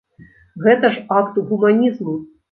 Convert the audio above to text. Гэта ж акт гуманізму.